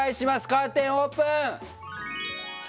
カーテンオープン！